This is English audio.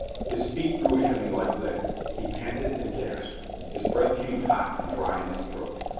His feet grew heavy like lead, he panted and gasped, his breath came hot and dry in his throat.